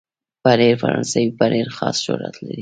پنېر فرانسوي پنېر خاص شهرت لري.